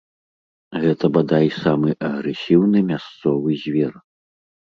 Гэта, бадай, самы агрэсіўны мясцовы звер.